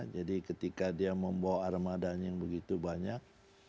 jadi ketika dia membawa armadanya yang begitu banyak